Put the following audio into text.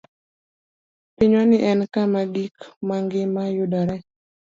Pinywani en kama gik ma ngima yudoree.